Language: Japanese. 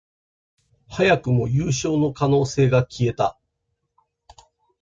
早くも優勝の可能性が消えた